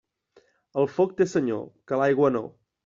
El foc té senyor, que l'aigua no.